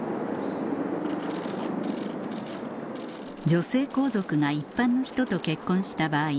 女性皇族が一般の人と結婚した場合